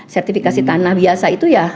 sertifikasi tanah biasa itu ya